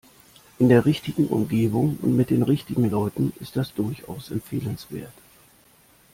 In der richtigen Umgebung und mit den richtigen Leuten ist das durchaus empfehlenswert.